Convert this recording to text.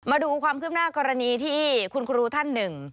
มาดูความคืบหน้ากรณีที่คุณครูท่านหนึ่ง